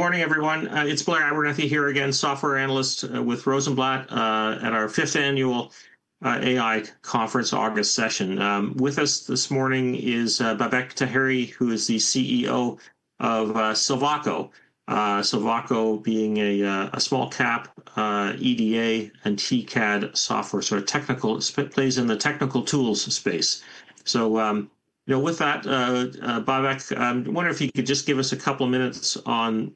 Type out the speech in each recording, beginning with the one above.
Good morning, everyone. It's Blair Abernethy here again, Software Analyst with Rosenblatt, at our Fifth Annual AI Conference August Session. With us this morning is Babak Taheri, who is the CEO of Silvaco, being a small-cap EDA and TCAD software, so it plays in the technical tools space. Babak, I'm wondering if you could just give us a couple of minutes on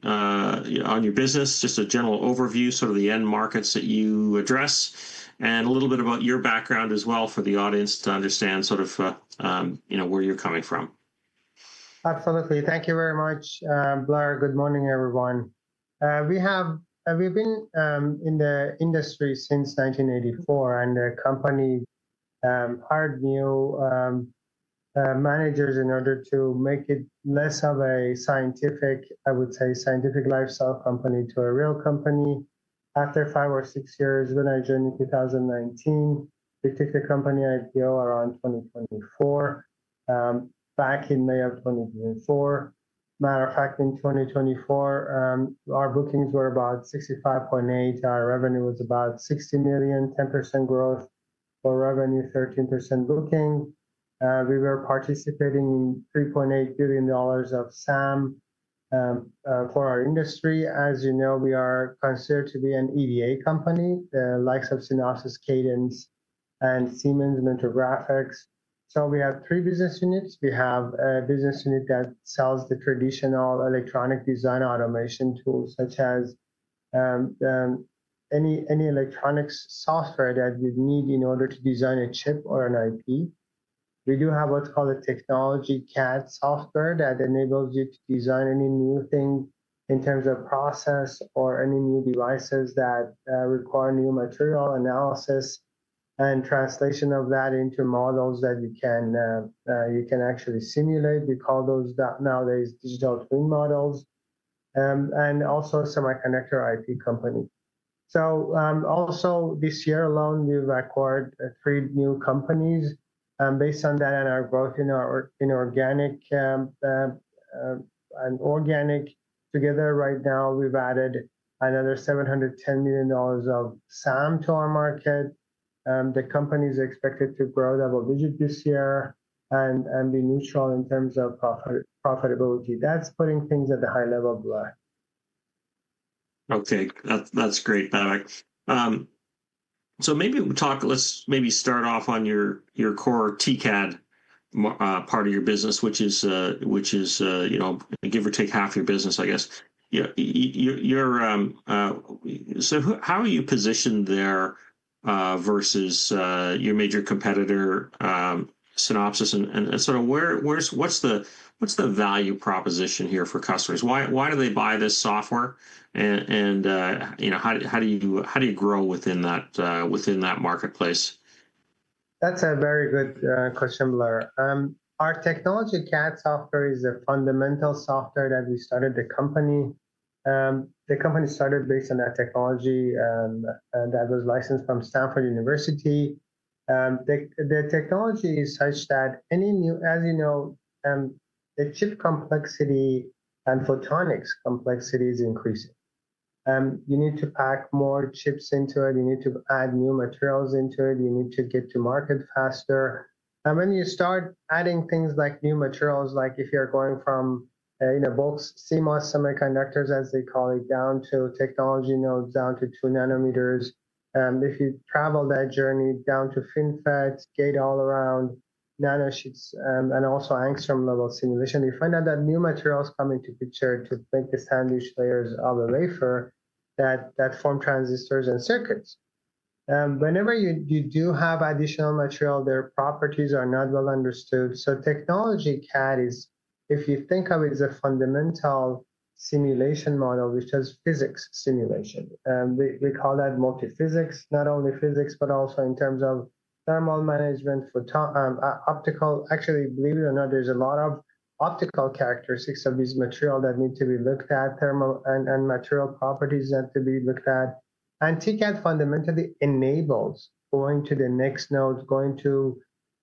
your business, just a general overview, sort of the end markets that you address, and a little bit about your background as well for the audience to understand where you're coming from. Absolutely. Thank you very much, Blair. Good morning, everyone. We have been in the industry since 1984, and the company hired new managers in order to make it less of a scientific, I would say, scientific lifestyle company to a real company. After five or six years, when I joined in 2019, we took the company IPO around 2024, back in May of 2024. Matter of fact, in 2024, our bookings were about $65.8 million. Our revenue was about $60 million, 10% growth for revenue, 13% booking. We were participating in $3.8 billion of SAM for our industry. As you know, we are considered to be an EDA company, the likes of Synopsys, Cadence, and Siemens and intergraphics. We have three business units. We have a business unit that sells the traditional electronic design automation tools, such as any electronics software that you'd need in order to design a chip or an IP. We do have what's called a technology CAD software that enables you to design any new thing in terms of process or any new devices that require new material analysis and translation of that into models that you can actually simulate. We call those nowadays digital twin models and also a semiconductor IP company. Also this year alone, we've acquired three new companies based on that and our growth in organic together. Right now, we've added another $710 million of SAM to our market. The company is expected to grow double-digit this year and be neutral in terms of profitability. That's putting things at the high level, Blair. Okay, that's great, Babak. Maybe talk, let's start off on your core TCAD part of your business, which is, you know, give or take half your business, I guess. How are you positioned there versus your major competitor, Synopsys? What's the value proposition here for customers? Why do they buy this software? You know, how do you grow within that marketplace? That's a very good question, Blair. Our technology CAD software is a fundamental software that we started the company. The company started based on that technology that was licensed from Stanford University. The technology is such that any new, as you know, the chip complexity and photonics complexity is increasing. You need to pack more chips into it. You need to add new materials into it. You need to get to market faster. When you start adding things like new materials, like if you're going from bulk CMOS semiconductors, as they call it, down to technology nodes down to nanometers, if you travel that journey down to FinFETs, gate all around nanosheets, and also angstrom level simulation, you find out that new materials come into picture to make the sandwich layers of a wafer that form transistors and circuits. Whenever you do have additional material, their properties are not well understood. Technology CAD is, if you think of it, a fundamental simulation model, which does physics simulation. We call that multi-physics, not only physics, but also in terms of thermal management, optical. Actually, believe it or not, there's a lot of optical characteristics of these materials that need to be looked at, thermal and material properties that need to be looked at. TCAD fundamentally enables going to the next node, going to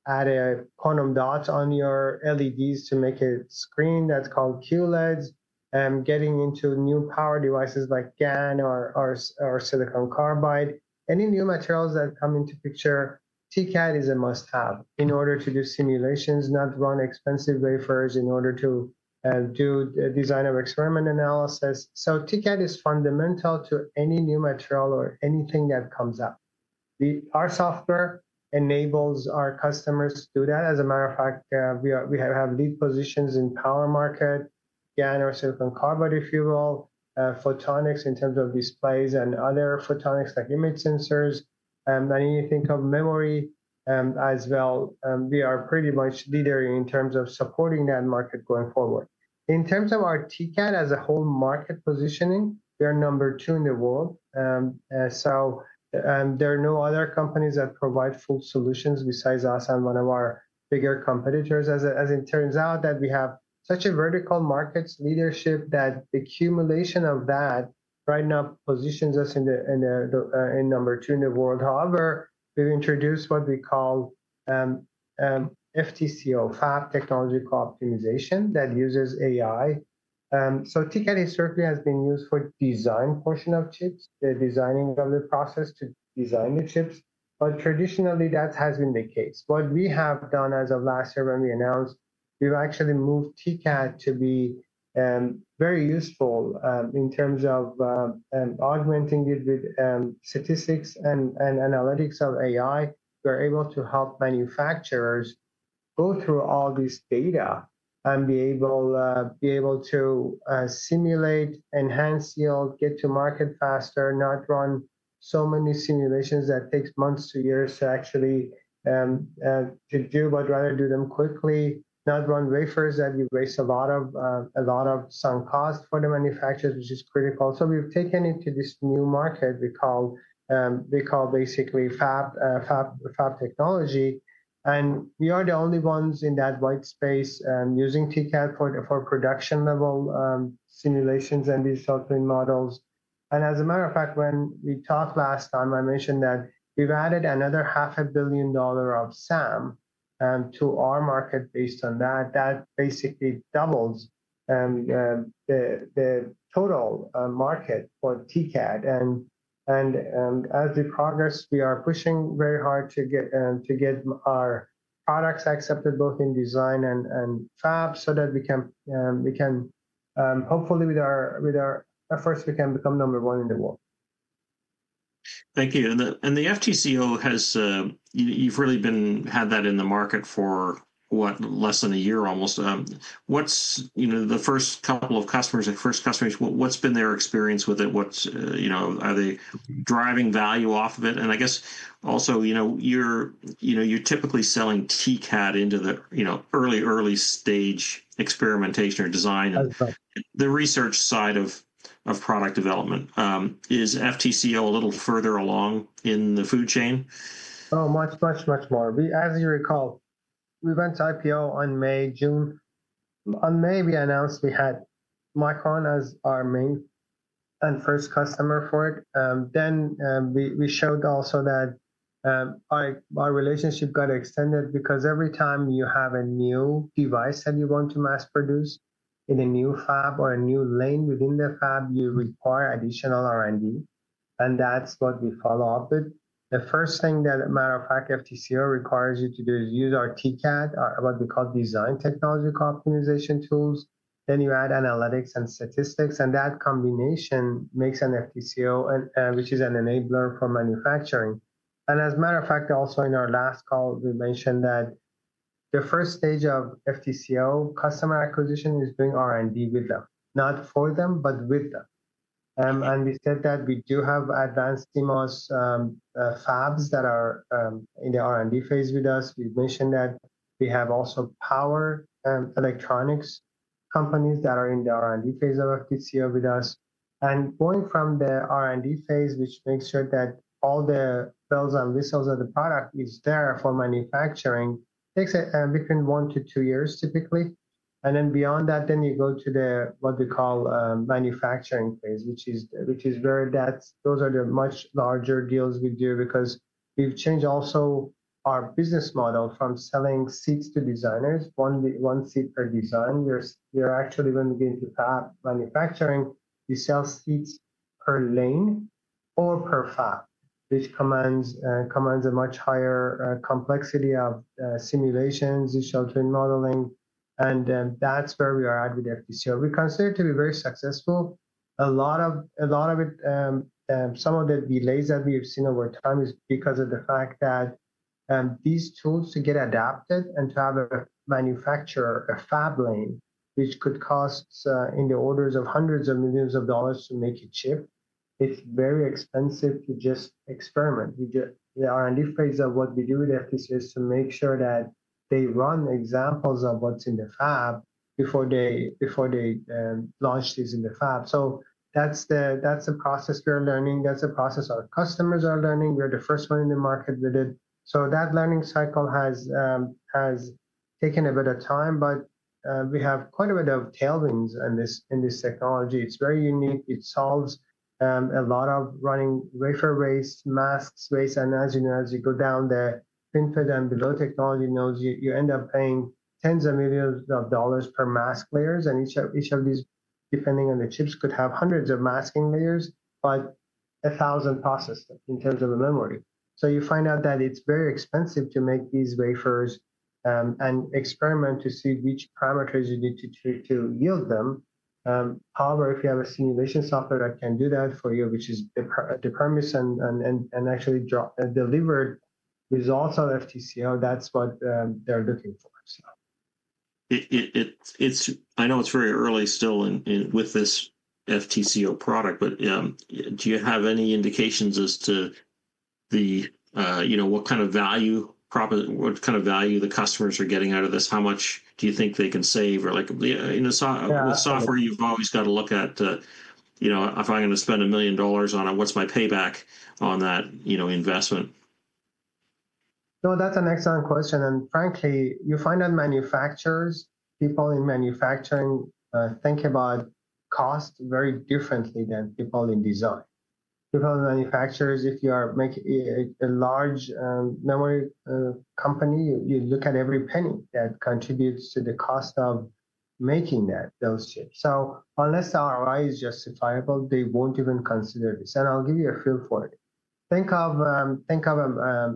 add a quantum dot on your LEDs to make a screen that's called QLEDs, and getting into new power devices like GaN or Silicon Carbide. Any new materials that come into picture, TCAD is a must-have in order to do simulations, not run expensive wafers in order to do the design of experiment analysis. TCAD is fundamental to any new material or anything that comes up. Our software enables our customers to do that. As a matter of fact, we have lead positions in the power market, GaN or silicon carbide, if you will, photonics in terms of displays and other photonics like image sensors. When you think of memory as well, we are pretty much leader in terms of supporting that market going forward. In terms of our TCAD as a whole market positioning, we are number two in the world. There are no other companies that provide full solutions besides us and one of our bigger competitors. It turns out that we have such a vertical market leadership that the accumulation of that right now positions us in number two in the world. However, we've introduced what we call FTCO, Fab Technological Optimization, that uses AI. TCAD historically has been used for the design portion of chips, the designing of the process to design the chips. Traditionally, that has been the case. What we have done as of last year when we announced, we've actually moved TCAD to be very useful in terms of augmenting it with statistics and analytics of AI. We're able to help manufacturers go through all this data and be able to simulate enhanced yield, get to market faster, not run so many simulations that take months to years to actually do, but rather do them quickly, not run wafers that you waste a lot of sunk cost for the manufacturers, which is critical. We've taken it to this new market we call basically Fab Technology. We are the only ones in that white space using TCAD for production-level simulations and these software models. As a matter of fact, when we talked last time, I mentioned that we've added another $500 million of SAM to our market based on that. That basically doubles the total market for TCAD. As we progress, we are pushing very hard to get our products accepted both in design and Fab so that we can, hopefully, with our efforts, we can become number one in the world. Thank you. The FTCO has, you've really had that in the market for, what, less than a year almost. What's the first couple of customers, the first customers, what's been their experience with it? Are they driving value off of it? I guess also, you're typically selling TCAD into the early, early stage experimentation or design, the research side of product development. Is FTCO a little further along in the food chain? Oh, much, much, much more. As you recall, we went to IPO in May, June. In May, we announced we had Micron as our main and first customer for it. We showed also that our relationship got extended because every time you have a new device that you want to mass produce in a new Fab or a new lane within the fab, you require additional R&D. That's what we follow up with. The first thing that, matter of fact, FTCO requires you to do is use our TCAD, what we call design technological optimization tools. You add analytics and statistics, and that combination makes an FTCO, which is an enabler for manufacturing. As a matter of fact, also in our last call, we mentioned that the first stage of FTCO customer acquisition is doing R&D with them, not for them, but with them. We said that we do have advanced CMOS fabs that are in the R&D phase with us. We mentioned that we have also power electronics companies that are in the R&D phase of FTCO with us. Going from the R&D phase, which makes sure that all the bells and whistles of the product is there for manufacturing, takes it between one to two years typically. Beyond that, you go to what we call manufacturing phase, which is where those are the much larger deals we do because we've changed also our business model from selling seats to designers, one seat per design. When we get into Fab manufacturing, you sell seats per lane or per fab, which commands a much higher complexity of simulations, digital twin modeling. That's where we are at with FTCO. We consider it to be very successful. A lot of it, some of the delays that we've seen over time is because of the fact that these tools to get adapted and to have a manufacturer, a Fab lane, which could cost in the orders of hundreds of millions of dollars to make a chip, it's very expensive to just experiment. The R&D phase of what we do with FTCO is to make sure that they run examples of what's in the Fab before they launch this in the fab. That's the process we're learning. That's the process our customers are learning. We're the first one in the market with it. That learning cycle has taken a bit of time, but we have quite a bit of tailwinds in this technology. It's very unique. It solves a lot of running wafer-based, masks-based. As you go down the FinFET and below technology nodes, you end up paying tens of millions of dollars per mask layer. Each of these, depending on the chips, could have hundreds of masking layers by a thousand processes in terms of the memory. You find out that it's very expensive to make these wafers and experiment to see which parameters you need to yield them. However, if you have a simulation software that can do that for you, which is the premise and actually delivered results of FTCO, that's what they're looking for. I know it's very early still with this FTCO product, but do you have any indications as to what kind of value the customers are getting out of this? How much do you think they can save? You know, with software you've always got to look at, if I'm going to spend $1 million on it, what's my payback on that investment? No, that's an excellent question. Frankly, you find that manufacturers, people in manufacturing, think about cost very differently than people in design. People in manufacturing, if you are making a large memory company, you look at every penny that contributes to the cost of making those chips. Unless ROI is justifiable, they won't even consider this. I'll give you a feel for it. Think of a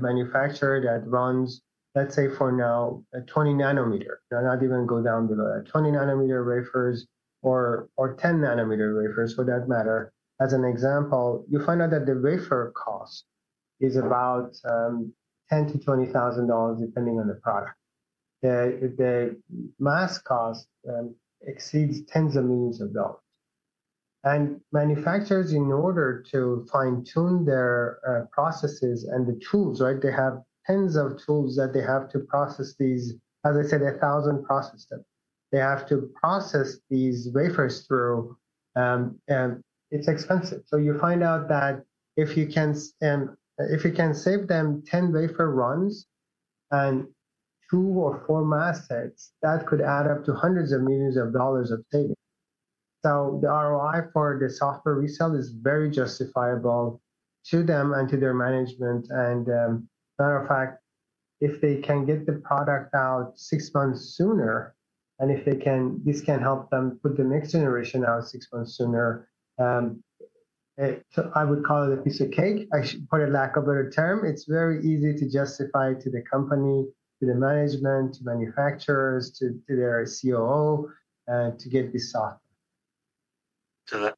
manufacturer that runs, let's say for now, a 20 nm, not even go down below that, 20 nm wafers or 10 nanometer wafers for that matter. As an example, you find out that the wafer cost is about $10,000-$20,000 depending on the product. The mask cost exceeds tens of millions of dollars. Manufacturers, in order to fine-tune their processes and the tools, right, they have tens of tools that they have to process these, as I said, a thousand process steps. They have to process these wafers through, and it's expensive. You find out that if you can save them 10 wafer runs and two or four mask sets, that could add up to hundreds of millions of dollars of payment. The ROI for the software we sell is very justifiable to them and to their management. As a matter of fact, if they can get the product out six months sooner, and if this can help them put the next generation out six months sooner, I would call it a piece of cake, for lack of a better term. It's very easy to justify to the company, to the management, to manufacturers, to their COO, to get this software.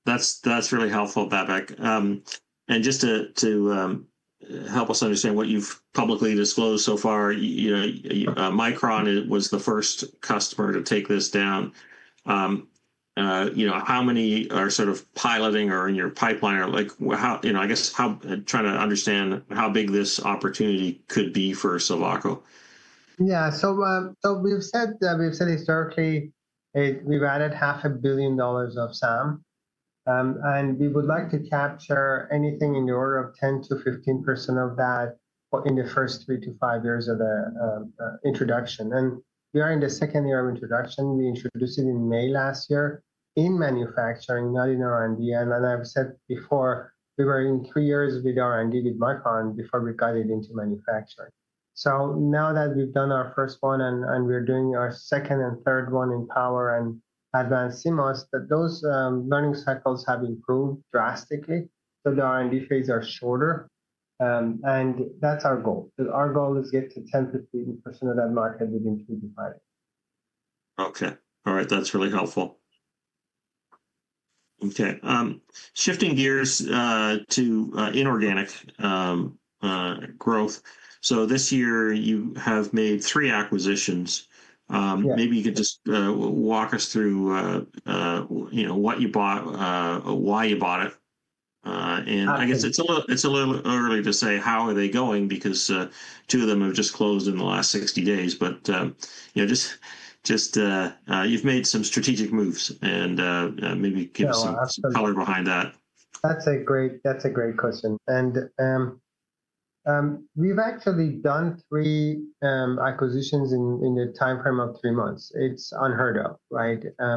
That's really helpful, Babak. Just to help us understand what you've publicly disclosed so far, you know, Micron was the first customer to take this down. How many are sort of piloting or in your pipeline? I guess trying to understand how big this opportunity could be for Silvaco. Yeah, we've said historically we've added half a billion dollars of SAM, and we would like to capture anything in the order of 10%-15% of that in the first three to five years of the introduction. We are in the second year of introduction. We introduced it in May last year in manufacturing, not in R&D. I've said before we were in three years with R&D with Micron before we got it into manufacturing. Now that we've done our first one, and we're doing our second and third one in power and advanced CMOS, those learning cycles have improved drastically. The R&D phase is shorter, and that's our goal. Our goal is to get to 10%-15% of that market within three to five years. Okay, that's really helpful. Shifting gears to inorganic growth, this year you have made three acquisitions. Maybe you could just walk us through what you bought, why you bought it. I guess it's a little early to say how they are going because two of them have just closed in the last 60 days, but you've made some strategic moves and maybe give us some color behind that. That's a great question. We've actually done three acquisitions in the timeframe of three months. It's unheard of, right? I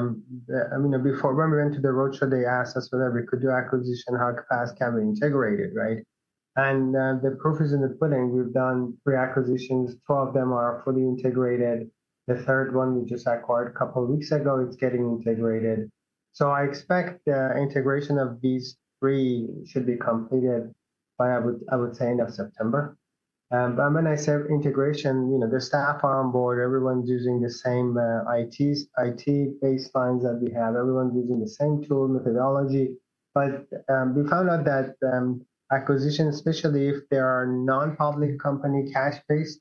mean, before when we went to the roadshow, they asked us whether we could do acquisition, how fast can we integrate it, right? The proof is in the pudding. We've done three acquisitions. Four of them are fully integrated. The third one we just acquired a couple of weeks ago, it's getting integrated. I expect the integration of these three should be completed by, I would say, end of September. When I say integration, you know, the staff are on board. Everyone's using the same IT baselines that we have. Everyone's using the same tool methodology. We found out that acquisitions, especially if they are non-public company, cash-based,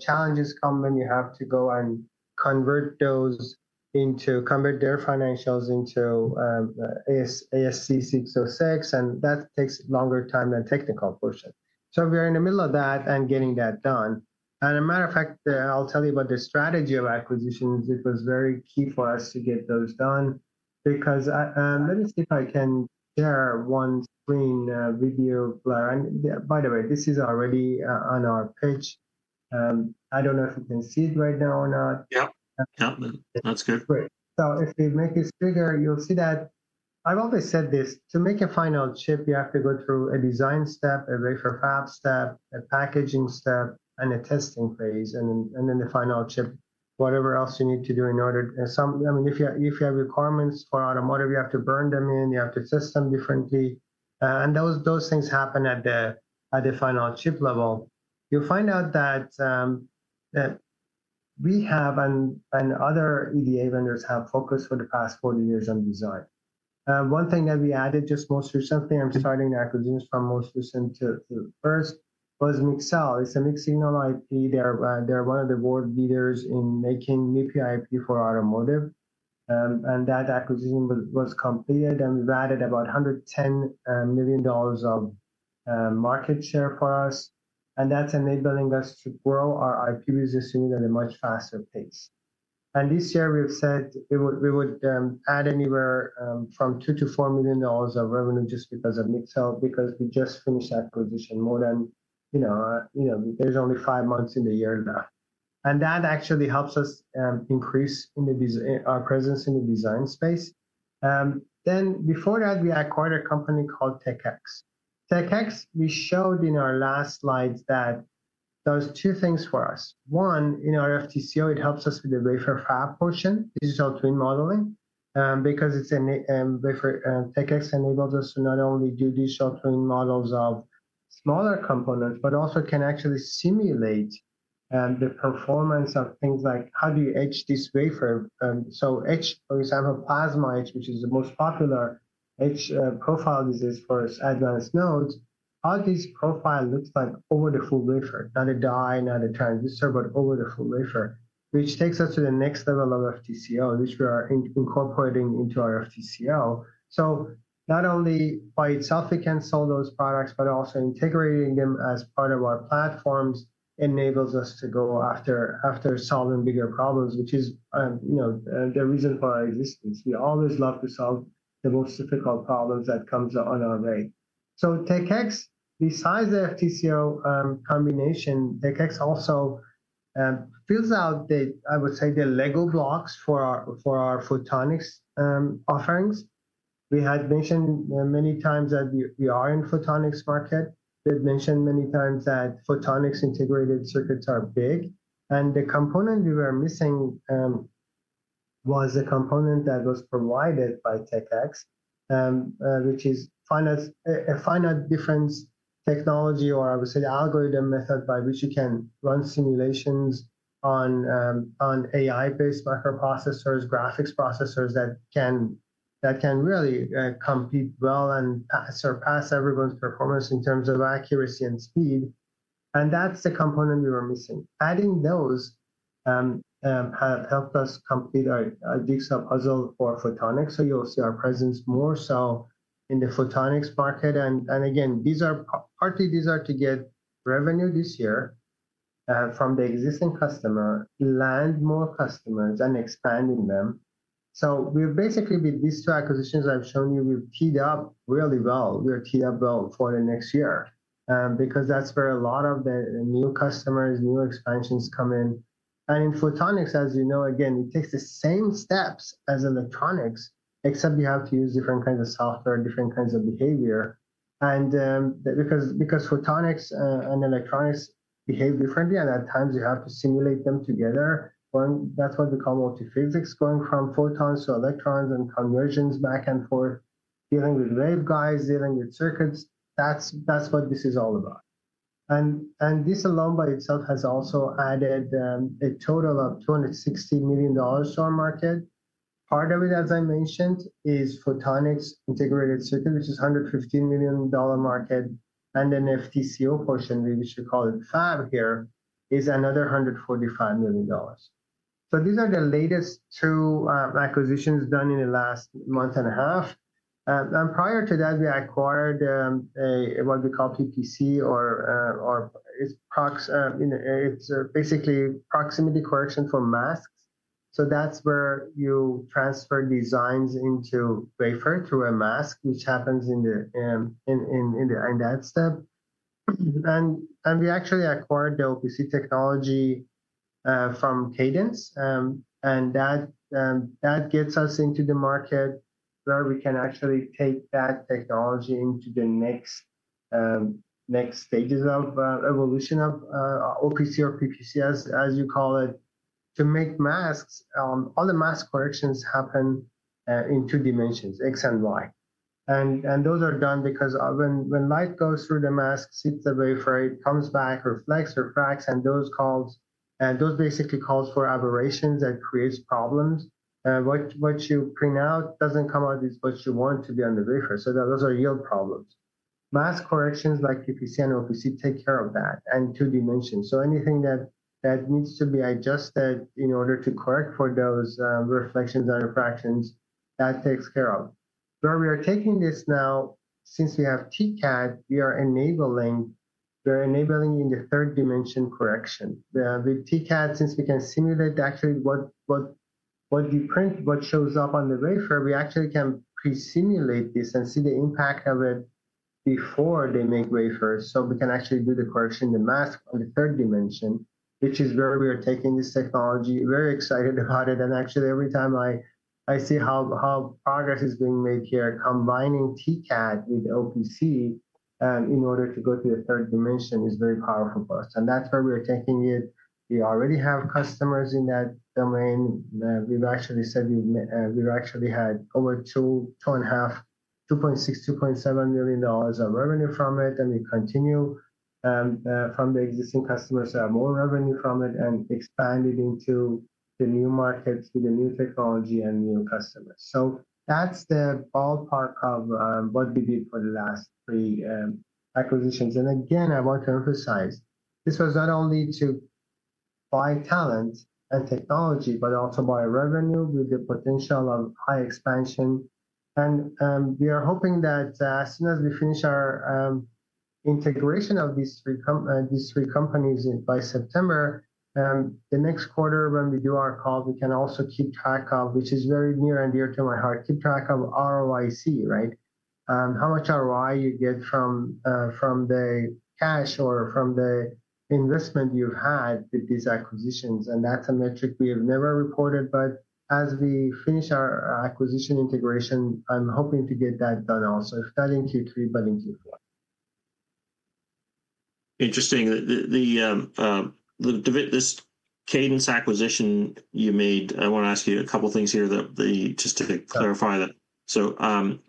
challenges come when you have to go and convert those into their financials into ASC 606. That takes longer time than the technical portion. We're in the middle of that and getting that done. As a matter of fact, I'll tell you about the strategy of acquisitions. It was very key for us to get those done because let me see if I can share one screen video, Blair. By the way, this is already on our page. I don't know if you can see it right now or not. Yep, yep, that's good. If we make this bigger, you'll see that I've always said this. To make a final chip, you have to go through a design step, a wafer Fab step, a packaging step, and a testing phase. The final chip, whatever else you need to do in order to, I mean, if you have requirements for automotive, you have to burn them in. You have to test them differently. Those things happen at the final chip level. You'll find out that we have and other EDA vendors have focused for the past 40 years on design. One thing that we added just most recently, I'm starting acquisitions from most recent to first, was Mixel. It's a mixed-signal IP. They're one of the world leaders in making MIPI IP for automotive. That acquisition was completed. We've added about $110 million of market share for us. That's enabling us to grow our IP business unit at a much faster pace. This year we've said we would add anywhere from $2 million-$4 million of revenue just because of Mixel, because we just finished that acquisition. There's only five months in the year left. That actually helps us increase our presence in the design space. Before that, we acquired a company called Tech-X. Tech-X, we showed in our last slides, does two things for us. One, in our FTCO, it helps us with the wafer Fab portion, digital twin modeling, because Tech-X enables us to not only do digital twin models of smaller components, but also can actually simulate the performance of things like how do you etch this wafer. Etch, for example, plasma etch, which is the most popular etch profile used for advanced nodes, how this profile looks like over the full wafer, not a die, not a transistor, but over the full wafer, which takes us to the next level of FTCO, which we are incorporating into our FTCO. Not only by itself can we solve those products, but also integrating them as part of our platforms enables us to go after solving bigger problems, which is the reason for our existence. We always love to solve the most difficult problems that come our way. Tech-X, besides the FTCO combination, Tech-X also fills out, I would say, the LEGO blocks for our photonics offerings. We had mentioned many times that we are in the photonics market. We had mentioned many times that photonics integrated circuits are big. The component we were missing was the component that was provided by Tech-X, which is a finite difference technology, or I would say the algorithm method by which you can run simulations on AI-based microprocessors, graphics processors that can really compete well and surpass everyone's performance in terms of accuracy and speed. That's the component we were missing. Adding those helped us complete our DIGSOP puzzle for photonics. You'll see our presence more so in the photonics market. These are partly to get revenue this year from the existing customer, land more customers, and expanding them. We're basically, with these two acquisitions I've shown you, teed up really well. We're teed up well for the next year because that's where a lot of the new customers, new expansions come in. In photonics, as you know, it takes the same steps as electronics, except you have to use different kinds of software, different kinds of behavior. Photonics and electronics behave differently, and at times you have to simulate them together. That's what we call multi-physics, going from photons to electrons and conversions back and forth, dealing with waveguides, dealing with circuits. That's what this is all about. This alone by itself has also added a total of $216 million to our market. Part of it, as I mentioned, is photonics integrated circuit, which is a $115 million market. The FTCO portion, we should call it Fab here, is another $145 million. These are the latest two acquisitions done in the last month and a half. Prior to that, we acquired what we call PPC, or it's basically proximity correction for masks. That's where you transfer designs into wafer to a mask, which happens in that step. We actually acquired the OPC technology from Cadence. That gets us into the market where we can actually take that technology into the next stages of evolution of OPC or PPC, as you call it, to make masks. All the mask corrections happen in two dimensions, X and Y. Those are done because when light goes through the mask, hits a wafer. It comes back, reflects, refracts, and those basically call for aberrations that create problems. What you print out doesn't come out as what you want to be on the wafer. Those are real problems. Mask corrections like PPC and OPC take care of that in two dimensions. Anything that needs to be adjusted in order to correct for those reflections and refractions, that takes care of. Where we are taking this now, since we have TCAD, we are enabling in the third dimension correction. With TCAD, since we can simulate actually what you print, what shows up on the wafer, we actually can pre-simulate this and see the impact of it before they make wafers. We can actually do the correction in the mask in the third dimension, which is where we are taking this technology. Very excited about it. Every time I see how progress is being made here, combining TCAD with OPC in order to go to the third dimension is very powerful for us. That is where we are taking it. We already have customers in that domain. We've had over $2.5 million, $2.6 million, $2.7 million of revenue from it. We continue from the existing customers who have more revenue from it and expand it into the new markets with the new technology and new customers. That is the ballpark of what we did for the last three acquisitions. I want to emphasize, this was not only to buy talent and technology, but also buy revenue with the potential of high expansion. We are hoping that as soon as we finish our integration of these three companies by September, the next quarter when we do our call, we can also keep track of, which is very near and dear to my heart, keep track of ROIC, right? How much ROI you get from the cash or from the investment you've had with these acquisitions. That is a metric we have never reported. As we finish our acquisition integration, I'm hoping to get that done also, if not in Q3, then in Q4. Interesting. The Cadence acquisition you made, I want to ask you a couple of things here just to clarify that.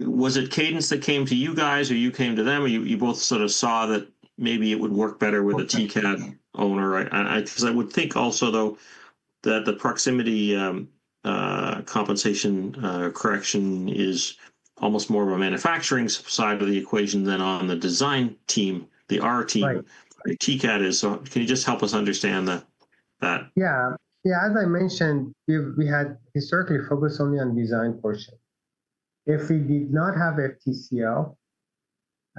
Was it Cadence that came to you guys or you came to them? You both sort of saw that maybe it would work better with the TCAD owner? I would think also though that the proximity compensation correction is almost more of a manufacturing side of the equation than on the design team, the R&D team. The TCAD is, can you just help us understand that? Yeah, yeah, as I mentioned, we had historically focused only on the design portion. If we did not have FTCO,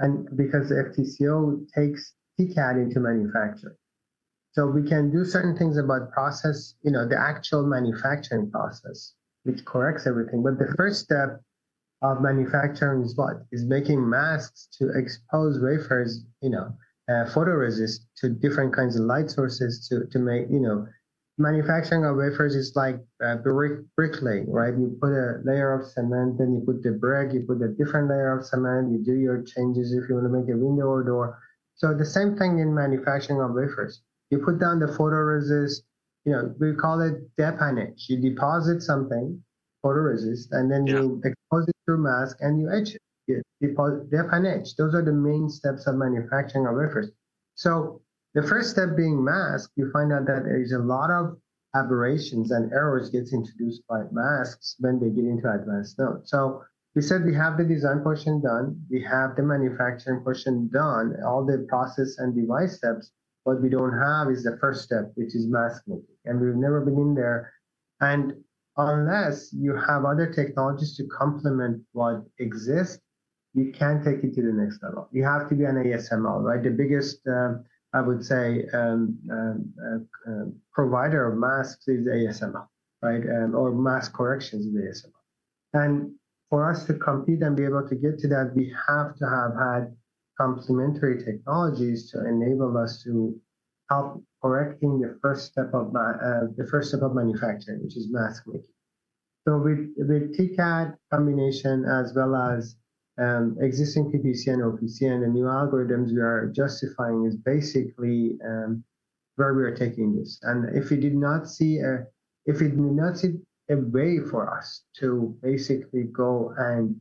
and because FTCO takes TCAD into manufacturing, we can do certain things about process, you know, the actual manufacturing process, which corrects everything. The first step of manufacturing is what? It's making masks to expose wafers, you know, photoresist to different kinds of light sources to make, you know, manufacturing of wafers is like brick laying, right? You put a layer of cement, then you put the brick, you put a different layer of cement, you do your changes if you want to make a window or door. The same thing in manufacturing of wafers. You put down the photoresist, you know, we call it depannage. You deposit something, photoresist, and then you'll expose it through mask and you etch it. Depannage, those are the main steps of manufacturing of wafers. The first step being mask, you find out that there's a lot of aberrations and errors that get introduced by masks when they get into advanced nodes. We said we have the design portion done, we have the manufacturing portion done, all the process and device steps. What we don't have is the first step, which is mask making. We've never been in there. Unless you have other technologies to complement what exists, you can't take it to the next level. You have to be an ASML, right? The biggest, I would say, provider of masks is ASML, right? Or mask corrections is ASML. For us to compete and be able to get to that, we have to have had complementary technologies to enable us to help correct the first step of manufacturing, which is mask making. With TCAD combination, as well as existing PPC and OPC and the new algorithms we are justifying, is basically where we are taking this. If we did not see a way for us to basically go and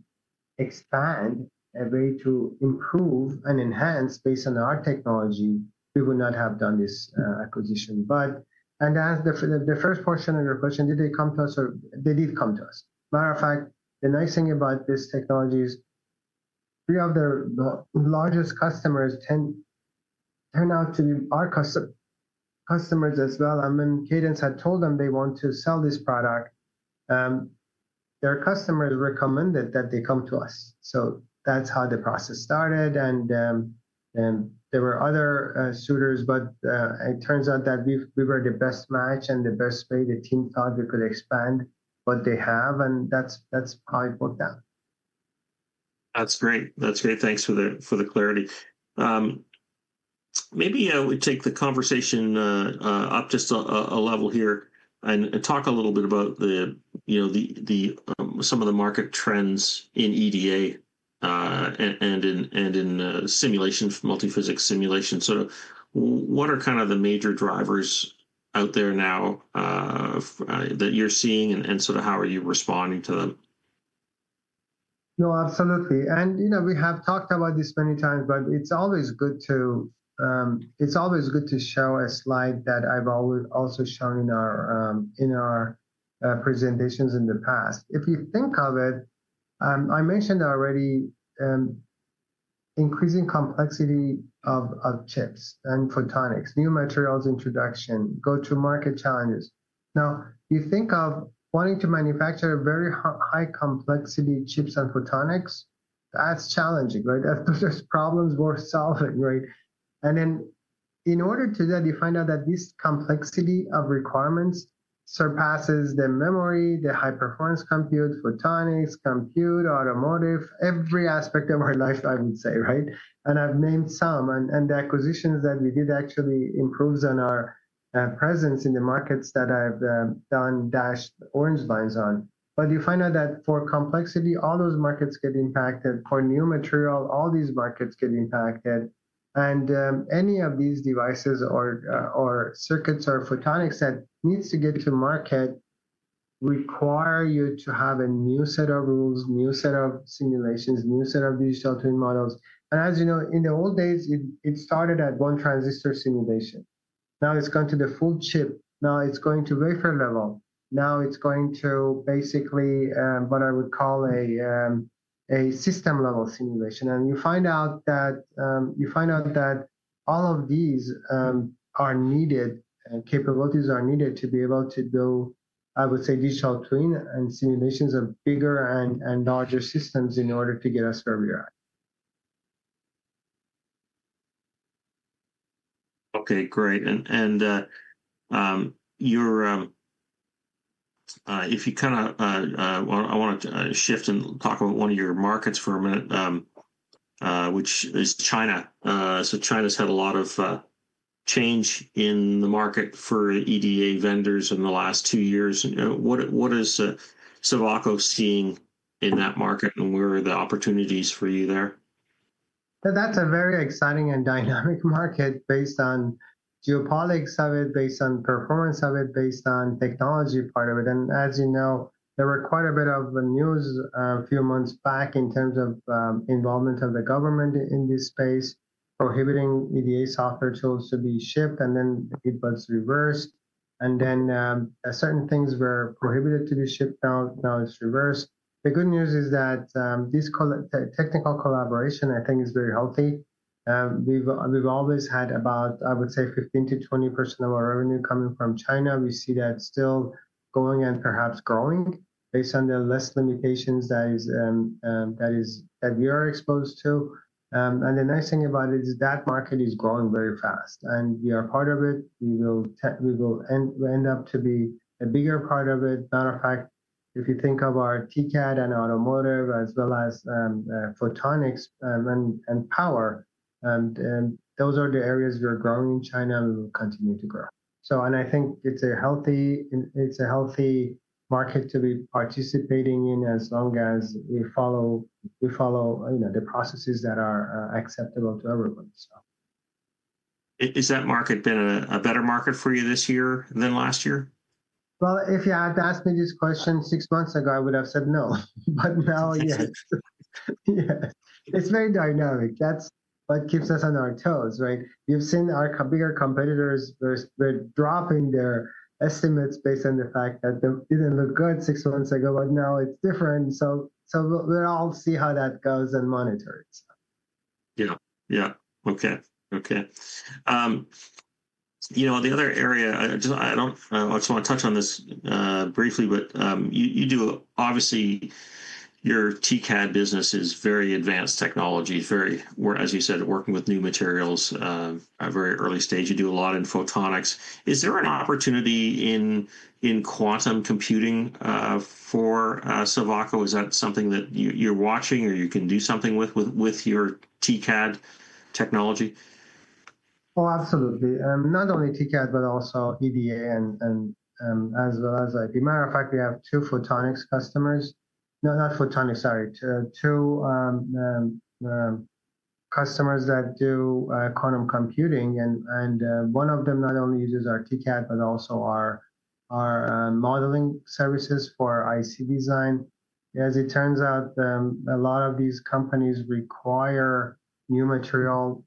expand a way to improve and enhance based on our technology, we would not have done this acquisition. As the first portion of your question, did they come to us? They did come to us. Matter of fact, the nice thing about this technology is three of the largest customers turned out to be our customers as well. When Cadence had told them they want to sell this product, their customers recommended that they come to us. That's how the process started. There were other suitors, but it turns out that we were the best match and the best way the team thought we could expand what they have. That's how it worked out. That's great. Thanks for the clarity. Maybe I would take the conversation up just a level here and talk a little bit about some of the market trends in EDA and in simulation, multi-physics simulation. What are kind of the major drivers out there now that you're seeing and how are you responding to them? No, absolutely. You know, we have talked about this many times, but it's always good to show a slide that I've also shown in our presentations in the past. If you think of it, I mentioned already increasing complexity of chips and photonics, new materials introduction, go-to-market challenges. You think of wanting to manufacture very high complexity chips and photonics. That's challenging, right? That's the first problem we're solving, right? In order to do that, you find out that this complexity of requirements surpasses the memory, the high-performance compute, photonics, compute, automotive, every aspect of our life, I would say, right? I've named some. The acquisitions that we did actually improve on our presence in the markets that I've done dashed orange lines on. You find out that for complexity, all those markets get impacted. For new material, all these markets get impacted. Any of these devices or circuits or photonics that need to get to market require you to have a new set of rules, new set of simulations, new set of digital twin models. As you know, in the old days, it started at one transistor simulation. Now it's gone to the full chip. Now it's going to wafer level. Now it's going to basically what I would call a system level simulation. You find out that all of these are needed, capabilities are needed to be able to do, I would say, digital twin and simulations of bigger and larger systems in order to get us where we are. Okay, great. If you kind of, I want to shift and talk about one of your markets for a minute, which is China. China's had a lot of change in the market for EDA vendors in the last two years. What is Silvaco seeing in that market and where are the opportunities for you there? That's a very exciting and dynamic market based on the geopolitics of it, based on the performance of it, based on the technology part of it. As you know, there were quite a bit of news a few months back in terms of involvement of the government in this space, prohibiting EDA software tools to be shipped. It was reversed, and then certain things were prohibited to be shipped. Now it's reversed. The good news is that this technical collaboration, I think, is very healthy. We've always had about, I would say, 15%-20% of our revenue coming from China. We see that still going and perhaps growing based on the less limitations that we are exposed to. The nice thing about it is that market is growing very fast, and we are part of it. We will end up to be a bigger part of it. Matter of fact, if you think of our TCAD and automotive, as well as photonics and power, those are the areas we are growing in China. We will continue to grow, and I think it's a healthy market to be participating in as long as we follow the processes that are acceptable to everyone. Has that market been a better market for you this year than last year? If you had to ask me this question six months ago, I would have said no. Now, yes. Yeah, it's very dynamic. That's what keeps us on our toes, right? You've seen our bigger competitors, they're dropping their estimates based on the fact that they didn't look good six months ago, but now it's different. We'll all see how that goes and monitor it. Okay. You know, the other area, I don't want to touch on this briefly, but you do, obviously, your TCAD business is very advanced technology, very, as you said, working with new materials at a very early stage. You do a lot in photonics. Is there an opportunity in quantum computing for Silvaco? Is that something that you're watching or you can do something with your TCAD technology? Oh, absolutely. Not only TCAD, but also EDA as well as, as a matter of fact, we have two customers that do quantum computing. One of them not only uses our TCAD, but also our modeling services for IC design. As it turns out, a lot of these companies require new material.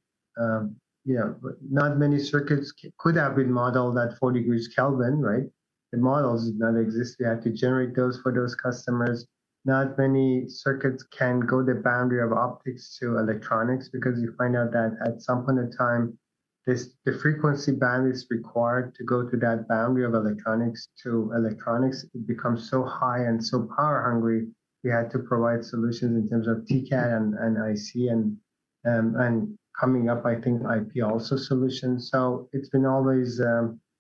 You know, not many circuits could have been modeled at 4 degrees Kelvin, right? The models did not exist. We had to generate those for those customers. Not many circuits can go to the boundary of optics to electronics because you find out that at some point in time, the frequency band is required to go to that boundary of electronics to electronics. It becomes so high and so power hungry. We had to provide solutions in terms of TCAD and IC and coming up, I think IP also solutions. It's been always,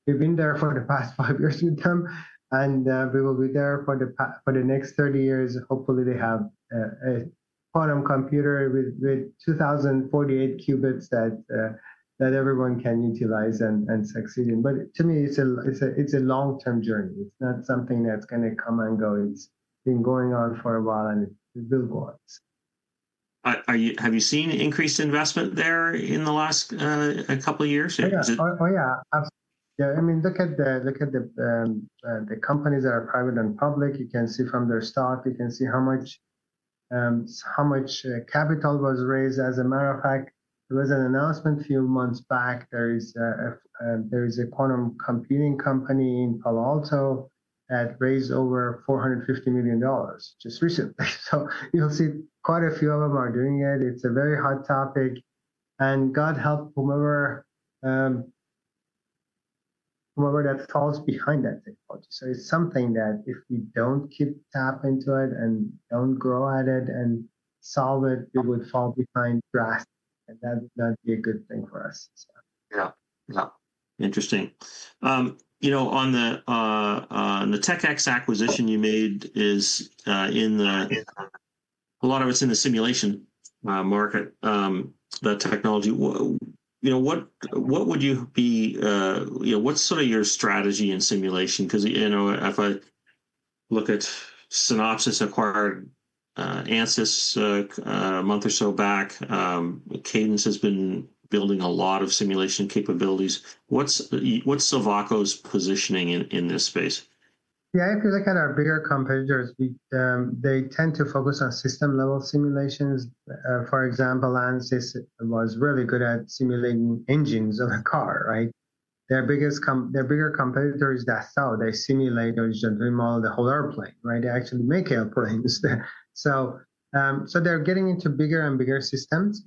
we've been there for the past five years with them. We will be there for the next 30 years. Hopefully, they have a quantum computer with 2,048 qubits that everyone can utilize and succeed in. To me, it's a long-term journey. It's not something that's going to come and go. It's been going on for a while and it will go on. Have you seen increased investment there in the last couple of years? Yeah, I mean, look at the companies that are private and public. You can see from their stock. You can see how much capital was raised. As a matter of fact, there was an announcement a few months back. There is a quantum computing company in Palo Alto that raised over $450 million just recently. You'll see quite a few of them are doing it. It's a very hot topic. God help whomever that falls behind that technology. It's something that if we don't keep tapping into it and don't grow at it and solve it, we would fall behind drastically. That would not be a good thing for us. Yeah, interesting. On the Tech-X acquisition you made, a lot of it's in the simulation market, the technology. What would you be, what's sort of your strategy in simulation? If I look at Synopsys acquired Ansys a month or so back, Cadenc has been building a lot of simulation capabilities. What's Silvaco Group's positioning in this space? Yeah, because they're kind of our bigger competitors. They tend to focus on system-level simulations. For example, Ansys was really good at simulating engines of a car, right? Their bigger competitor is Dassault. They simulate or generally model the whole airplane, right? They actually make airplanes. They're getting into bigger and bigger systems.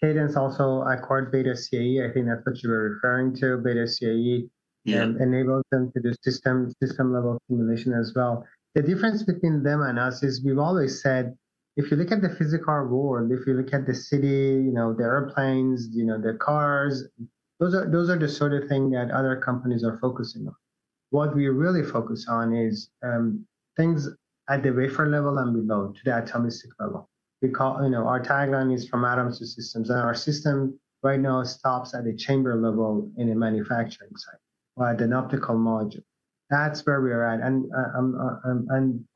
Cadence also acquired BETA CAE. I think that's what you were referring to. BETA CAE enables them to do system-level simulation as well. The difference between them and us is we've always said, if you look at the physical world, if you look at the city, you know, the airplanes, you know, the cars, those are the sort of things that other companies are focusing on. What we really focus on is things at the wafer level and below, to the atomistic level. We call, you know, our tagline is from atoms to systems. Our system right now stops at the chamber level in a manufacturing site or at an optical module. That's where we are at.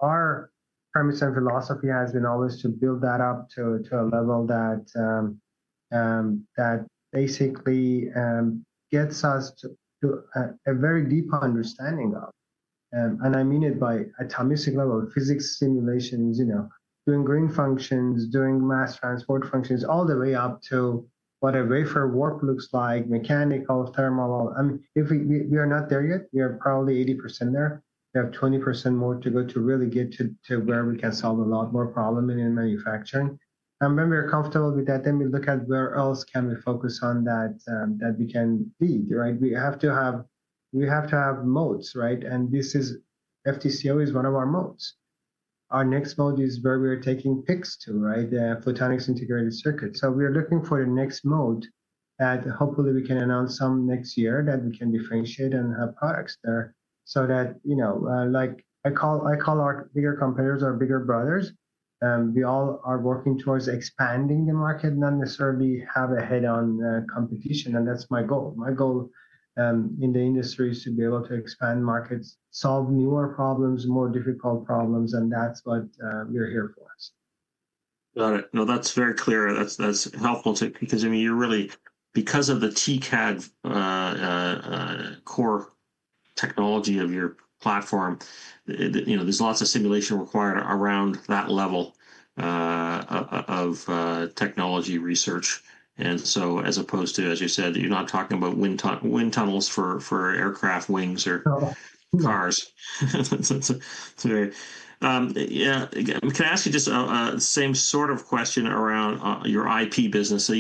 Our premise or philosophy has been always to build that up to a level that basically gets us to a very deep understanding of, and I mean it by atomistic level. Physics simulation is, you know, doing green functions, doing mass transport functions, all the way up to what a wafer work looks like, mechanical, thermal. If we are not there yet, we are probably 80% there. We have 20% more to go to really get to where we can solve a lot more problems in manufacturing. When we're comfortable with that, we look at where else can we focus on that we can lead, right? We have to have, we have to have moats, right? FTCO is one of our moats. Our next moat is where we are taking PICs to, right? The photonics integrated circuit. We are looking for the next moat that hopefully we can announce some next year that we can differentiate and have products there. That, you know, like I call our bigger competitors or bigger brothers, we all are working towards expanding the market, not necessarily have a head-on competition. That's my goal. My goal in the industry is to be able to expand markets, solve newer problems, more difficult problems. That's what we're here for. Got it. No, that's very clear. That's helpful too, because, I mean, you're really, because of the TCAD core technology of your platform, there's lots of simulation required around that level of technology research. As opposed to, as you said, you're not talking about wind tunnels for aircraft wings or cars. Can I ask you this same sort of question around your IP business?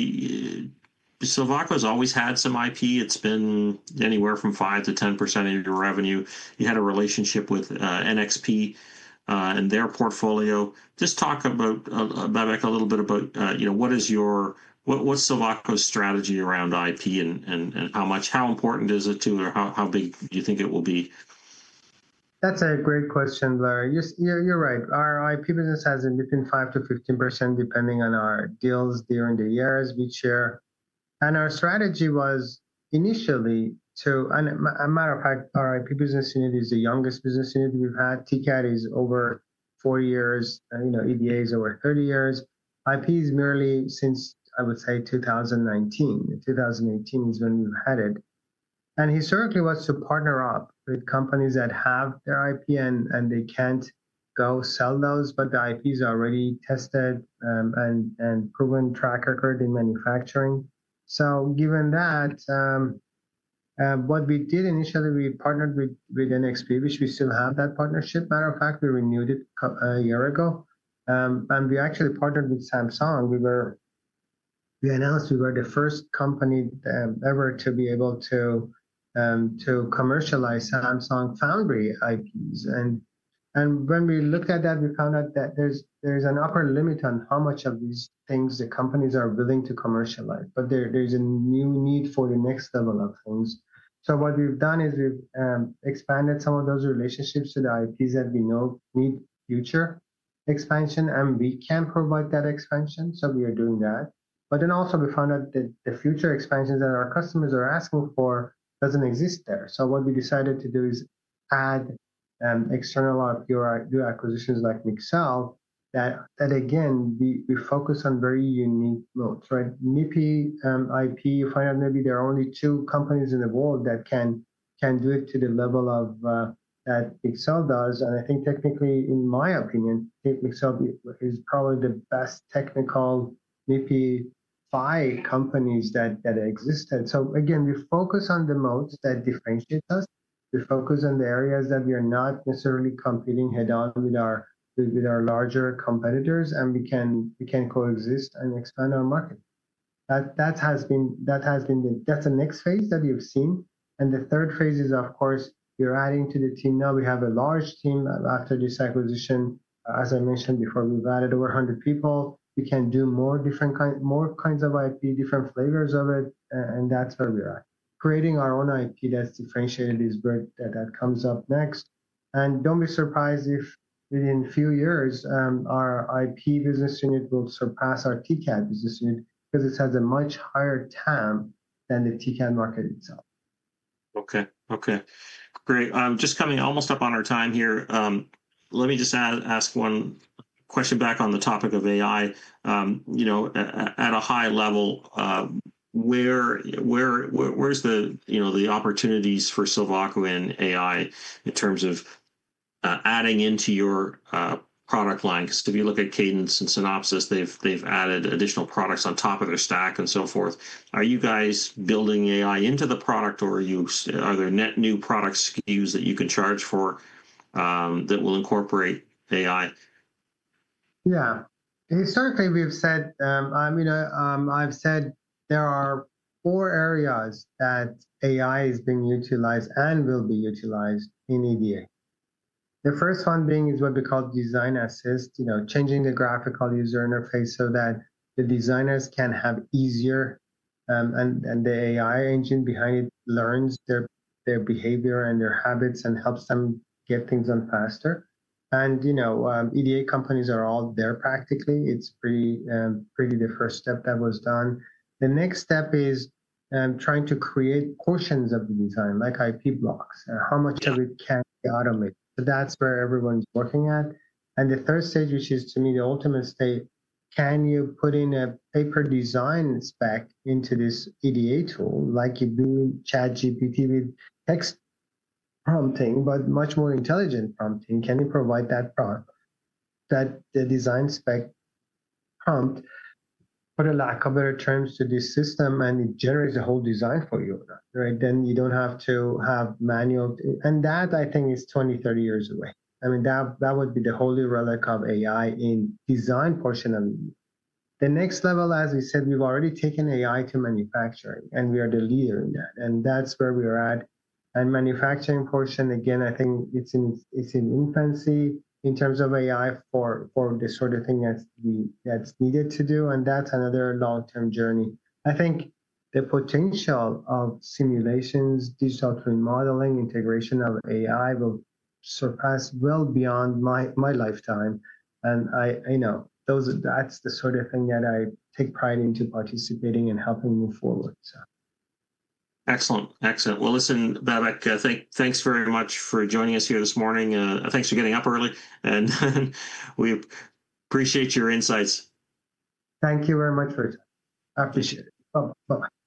Silvaco has always had some IP. It's been anywhere from 5%-10% of your revenue. You had a relationship with NXP and their portfolio. Just talk about, Babak, a little bit about, you know, what is your, what's Silvaco's strategy around IP and how much, how important is it to, or how big do you think it will be? That's a great question, Blair. You're right. Our IP business has been 5%-15% depending on our deals during the year as we share. Our strategy was initially to, as a matter of fact, our IP business unit is the youngest business unit we've had. TCAD is over four years. You know, EDA is over 30 years. IP is merely since, I would say, 2019. 2018 is when we've had it. Historically, it was to partner up with companies that have their IP and they can't go sell those, but the IPs are already tested and proven track record in manufacturing. Given that, what we did initially, we partnered with NXP, which we still have that partnership. As a matter of fact, we renewed it a year ago. We actually partnered with Samsung. We announced we were the first company ever to be able to commercialize Samsung foundry IPs. When we looked at that, we found out that there's an upper limit on how much of these things the companies are willing to commercialize. There's a new need for the next level of things. What we've done is we've expanded some of those relationships to the IPs that we know need future expansion, and we can provide that expansion. We are doing that. We found out that the future expansions that our customers are asking for don't exist there. What we decided to do is add external of your acquisitions like Mixel, that again, we focus on very unique modes, right? MIPI IP, you find out maybe there are only two companies in the world that can do it to the level that Mixel does. I think technically, in my opinion, Mixel is probably the best technical MIPI 5 companies that exist. Again, we focus on the modes that differentiate us. We focus on the areas that we are not necessarily competing head-on with our larger competitors, and we can coexist and expand our market. That has been the next phase that you've seen. The third phase is, of course, we are adding to the team. Now we have a large team after this acquisition. As I mentioned before, we've added over 100 people. We can do more different kinds of IP, different flavors of it. That's where we're at. Creating our own IP that's differentiated is where that comes up next. Don't be surprised if within a few years, our IP business unit will surpass our TCAD business unit because this has a much higher TAM than the TCAD market itself. Great. Just coming almost up on our time here. Let me just ask one question back on the topic of AI. At a high level, where is the, you know, the opportunities for Silvaco in AI in terms of adding into your product line? If you look at Cadence and Synopsys, they've added additional products on top of their stack and so forth. Are you guys building AI into the product or are there net new products that you can charge for that will incorporate AI? Yeah. Historically, I've said there are four areas that AI is being utilized and will be utilized in EDA. The first one is what we call design assist, changing the graphical user interface so that the designers can have it easier, and the AI engine behind it learns their behavior and their habits and helps them get things done faster. EDA companies are all there practically. It's pretty much the first step that was done. The next step is trying to create portions of the design, like IP blocks, and how much of it can be automated. That's where everyone's working at. The third stage, which is to me the ultimate state, is can you put in a paper design spec into this EDA tool, like you do ChatGPT with text prompting, but much more intelligent prompting? Can you provide that prompt, that design spec prompt, for lack of better terms, to this system, and it generates a whole design for you? You don't have to have manual, and I think that is 20 years, 30 years away. That would be the holy relic of AI in the design portion of it. The next level, as we said, we've already taken AI to manufacturing, and we are the leader in that. That's where we are at. The manufacturing portion, again, I think it's in its infancy in terms of AI for the sort of thing that's needed to do. That's another long-term journey. I think the potential of simulations, digital twin modeling, integration of AI will surpass well beyond my lifetime. That's the sort of thing that I take pride in participating in and helping move forward. Excellent, excellent. Listen, Babak, thanks very much for joining us here this morning. Thanks for getting up early. We appreciate your insights. Thank you very much for your time. I appreciate it. Bye-bye. Bye.